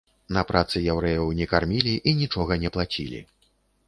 На працы яўрэяў не кармілі і нічога не плацілі.